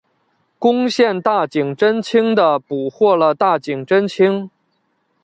攻陷大井贞清的捕获了大井贞清。